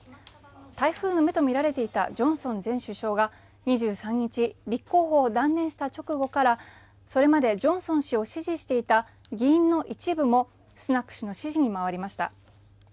台風の目と見られていたジョンソン前首相が２３日立候補を断念した直後からそれまで、ジョンソン氏を支持していた議員の一部もスナク氏の支持に回りました。